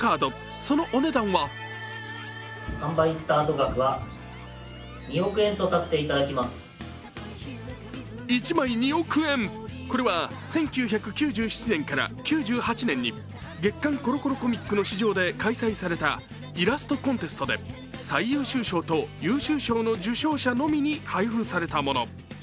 そのお値段は１枚２億円、これは１９９７年から９８年に「月刊コロコロコミック」の誌上で開催されたイラストコンテストで最優秀賞と優秀賞の受賞者のみに配布されたもの。